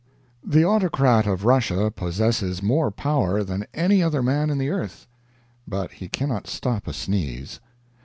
The Autocrat of Russia possesses more power than any other man in the earth; but he cannot stop a sneeze.